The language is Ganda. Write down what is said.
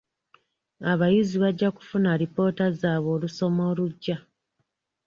Abayizi bajja kufuna alipoota zaabwe olusoma olujja.